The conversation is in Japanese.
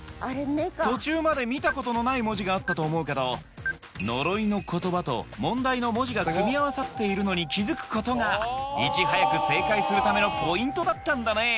途中まで見たことのない文字があったと思うけど呪いの言葉と問題の文字が組み合わさっているのに気付くことがいち早く正解するためのポイントだったんだねぇ。